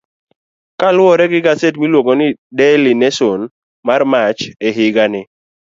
Kaluwore gi gaset miluongo ni Daily Nation mar Mach , e higani.